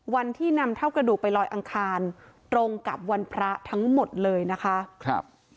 วันที่นำเท่ากระดูกไปลอยอังคารตรงกับวันพระทั้งหมดเลยนะคะครับ